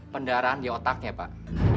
pendaraan di otaknya pak